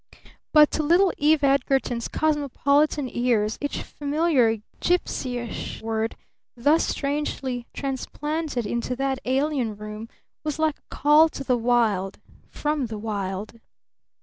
But to little Eve Edgarton's cosmopolitan ears each familiar gipsyish word thus strangely transplanted into that alien room was like a call to the wild from the wild.